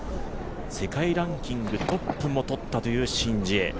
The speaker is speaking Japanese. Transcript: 世界ランキングトップも取ったというシン・ジエ。